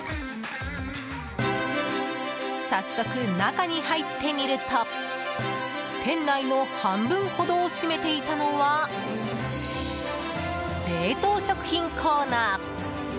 早速、中に入ってみると店内の半分ほどを占めていたのは冷凍食品コーナー。